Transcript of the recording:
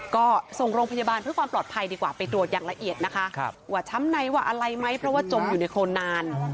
ก็ส่งโรงพยาบาลเพื่อความปลอดภัยดีกว่าไปตรวจอย่างละเอียดนะคะว่าช้ำในว่าอะไรไหมเพราะว่าจมอยู่ในโคนนาน